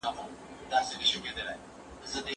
زه پرون چپنه پاکه کړه.